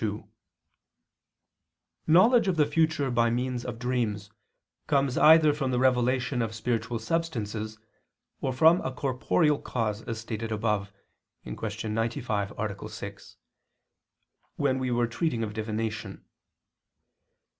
2: Knowledge of the future by means of dreams, comes either from the revelation of spiritual substances, or from a corporeal cause, as stated above (Q. 95, A. 6), when we were treating of divination.